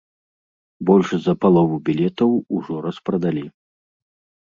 Больш за палову білетаў ужо распрадалі.